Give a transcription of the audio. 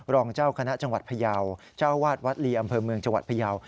รองเจ้าคณะจังหวัดพยาวเจ้าวาดวัดลีอำเภอเมืองจังหวัดพยาว